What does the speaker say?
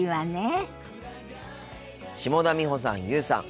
下田美穂さん優羽さん